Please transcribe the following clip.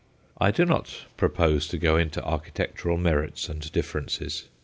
I do not propose to go into architectural merits and differences.